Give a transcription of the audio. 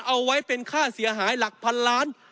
เอาไว้เป็นค่าเสียหายหลักพันล้าน